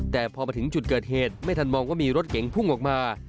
แต่พอมาถึงจุดเกิดเหตุไม่ทันมองว่ามีรถเก๋งพุ่งออกมา